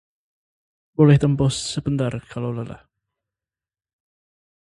boleh tempoh sebentar kalau lelah